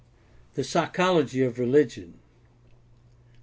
THE PSYCHOLOGY OF RELIGION I.